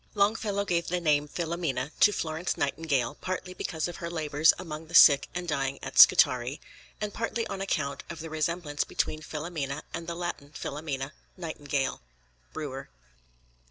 Longfellow gave the name Filomena to Florence Nightingale partly because of her labours among the sick and dying at Scutari, and partly on account of the resemblance between Filomena and the Latin Philomela (nightingale). _Brewer.